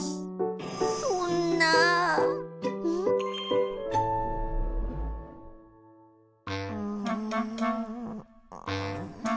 そんなん？んんん。